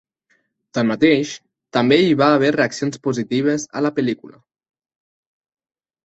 Tanmateix, també hi va haver reaccions positives a la pel·lícula.